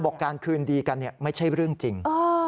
เธอบอกการคืนดีกันเนี่ยไม่ใช่เรื่องจริง